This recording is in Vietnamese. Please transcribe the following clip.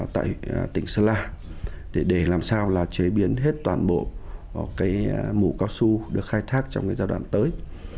tại tỉnh sơn la để làm sao chế biến hết toàn bộ mũ cao su được khai thác trong giai đoạn tới